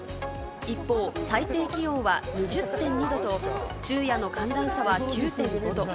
一方、最低気温は２０．２℃と、昼夜の寒暖差は９．５度。